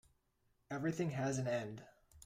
Everything has an end.